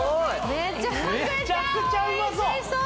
めちゃくちゃうまそう！